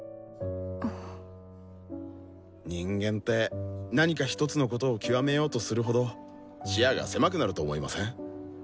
人間って何か一つのことを極めようとするほど視野が狭くなると思いません？